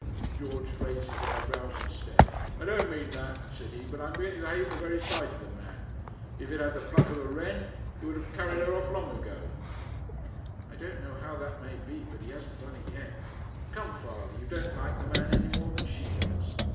George raised his eyebrows and stared. 'I don't mean that,' said he; 'but I am beginning to hate the very sight of the man. If he'd had the pluck of a wren, he would have carried her off long ago.' 'I don't know how that may be, but he hasn't done it yet. Come, father; you don't like the man any more than she does.